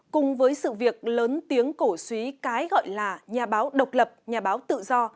cùng với sự việc lớn tiếng cổ suý cái gọi là nhà báo độc lập nhà báo tự do